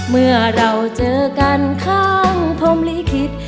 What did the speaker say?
เมื่อเราเจอกันข้างพรมลิขิต